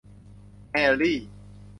แฮร์รี่